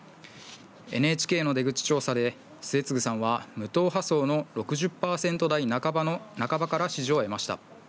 ＮＨＫの出口調査で、末次さんは無党派層の６０％代半ばから支持を得ました。